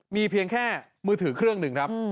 มีเพียงแค่มือถือเครื่องหนึ่งครับ